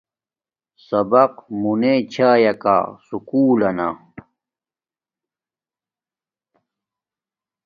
سبق بونے چھایا کا سکُول لنا